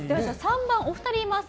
３番、お二人います。